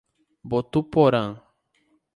Botuporã